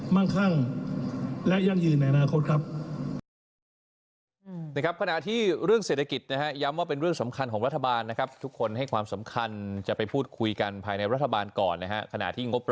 ่งคั่งและยั่งยืนในอนาคตครับ